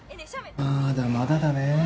まだまだだね。